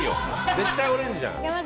絶対オレンジじゃん。